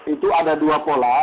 itu ada dua pola